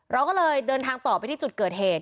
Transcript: เราก็เลยเดินทางต่อไปที่จุดเกิดเหตุ